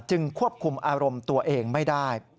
ควบคุมอารมณ์ตัวเองไม่ได้